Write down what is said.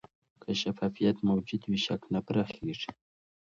که شفافیت موجود وي، شک نه پراخېږي.